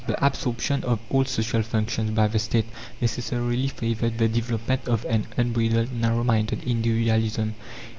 The absorption of all social functions by the State necessarily favoured the development of an unbridled, narrow minded individualism.